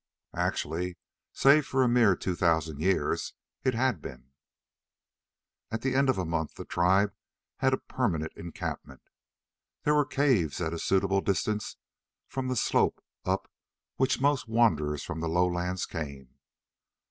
Actually, save for a mere two thousand years, it had been. At the end of a month the tribe had a permanent encampment. There were caves at a suitable distance from the slope up which most wanderers from the lowlands came.